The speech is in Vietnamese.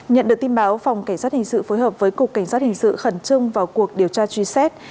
nhận được tin báo phòng cảnh sát hình sự phối hợp với cục cảnh sát hình sự khẩn trương vào cuộc điều tra truy xét